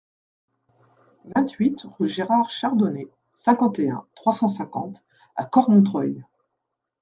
vingt-huit rue Gérard Chardonnet, cinquante et un, trois cent cinquante à Cormontreuil